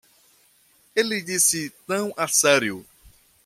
Ele disse tão a sério.